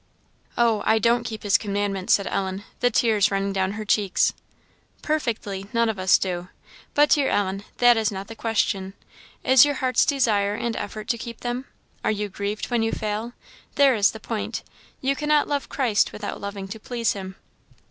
"Oh, I don't keep his commandments!" said Ellen, the tears running down her cheeks. "Perfectly, none of us do. But, dear Ellen, that is not the question. Is your heart's desire and effort to keep them? Are you grieved when you fail? There is the point. You cannot love Christ without loving to please him."